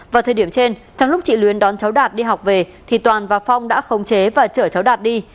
vào thời điểm trên trong lúc chị luyến đón cháu đạt đi học về thì toàn và phong đã khống chế và chở cháu đạt đi